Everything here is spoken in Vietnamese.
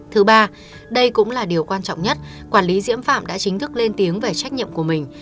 thứ ba đây cũng là điều quan trọng nhất quản lý diễm phạm đã chính thức lên tiếng về trách nhiệm của mình